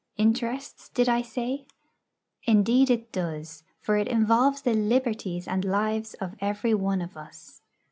Interests, did I say? Indeed it does, for it involves the liberties and lives of every one of us.